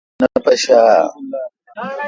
تو مہ ٹھ نہ پشہ اہ؟